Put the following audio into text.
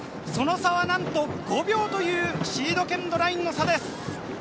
その差はなんと５秒というシード権のラインの差です。